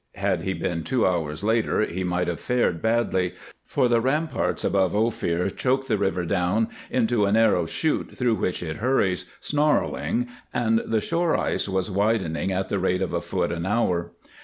Had he been two hours later he might have fared badly, for the ramparts above Ophir choke the river down into a narrow chute through which it hurries, snarling, and the shore ice was widening at the rate of a foot an hour.